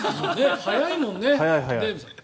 早いもんね、デーブさん。